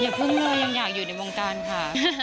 พึ่งเลยยังอยากอยู่ในวงการค่ะ